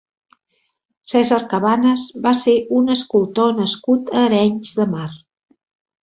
Cèsar Cabanes va ser un escultor nascut a Arenys de Mar.